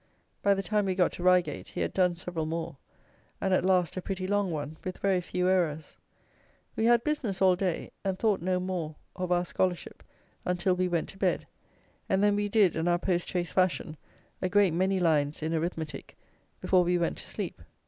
By the time we got to Reigate he had done several more, and at last, a pretty long one, with very few errors. We had business all day, and thought no more of our scholarship until we went to bed, and then we did, in our post chaise fashion, a great many lines in arithmetic before we went to sleep.